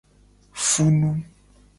Funu.